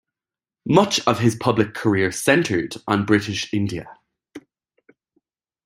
Much of his public career centred on British India.